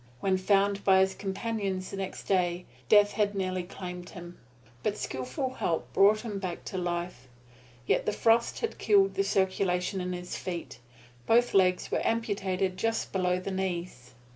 When found by his companions the next day, death had nearly claimed him. But skilful help brought him back to life, yet the frost had killed the circulation in his feet. Both legs were amputated just below the knees.